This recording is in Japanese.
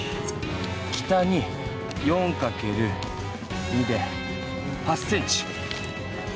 北に４かける２で８ｃｍ。